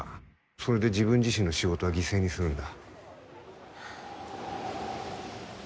それで自分自身の仕事は犠牲にするんだ